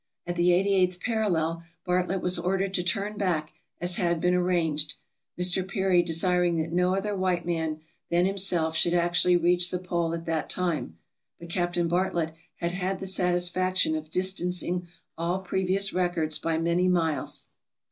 At the 88th parallel Bartlett was ordered to turn back, as had been arranged, Mr. Peary desiring that no other white man than himself should actually reach the pole at that time; but Captain Bartlett had had the satisfaction of distancing all previous records by many miles.